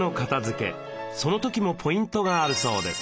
その時もポイントがあるそうです。